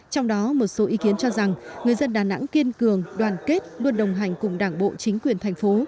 trong đó một số ý kiến cho rằng người dân đà nẵng kiên cường đoàn kết luôn đồng hành cùng đảng bộ chính quyền thành phố